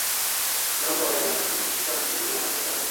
চূড়ান্ত পর্যায়ে কাজের সুযোগ নিশ্চিত করার মধ্য দিয়েই মঙ্গাকে ঠেকানো গেছে।